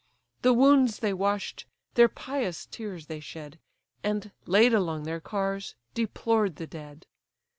The wounds they wash'd, their pious tears they shed, And, laid along their cars, deplored the dead.